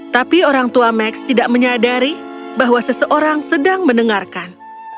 tapi orang tua max tidak menyadari bahwa seseorang sedang mendengarkan